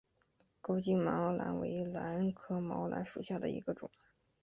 高茎毛兰为兰科毛兰属下的一个种。